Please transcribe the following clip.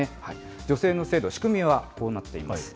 助成の制度、仕組みはこうなっています。